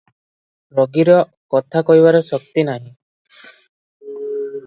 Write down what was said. ରୋଗୀର କଥା କହିବାର ଶକ୍ତି ନାହିଁ ।